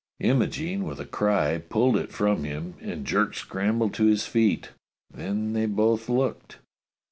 Imogene, with a cry, pulled it from him, and Jerk scrambled to his feet. Then they both looked.